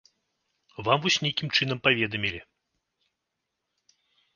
Вам вось нейкім чынам паведамілі.